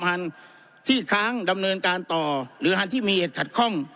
ทางที่ค้างดำเนินการต่อหรือทางที่มีเหตุขัดคล่อง